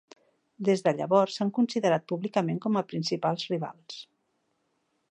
Des de llavors s'han considerat públicament com a principals rivals.